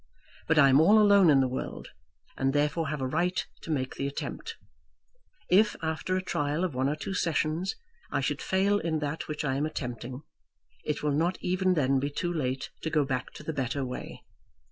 But I am all alone in the world, and therefore have a right to make the attempt. If, after a trial of one or two sessions, I should fail in that which I am attempting, it will not even then be too late to go back to the better way.